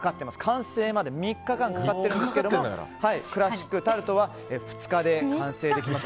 完成まで３日間かかってるんですけどもクラシックタルトは２日で完成できます。